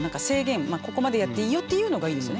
ここまでやっていいよっていうのがいいですよね。